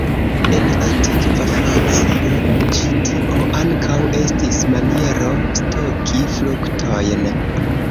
En antikva Francio, ĉi tio ankaŭ estis maniero stoki fruktojn.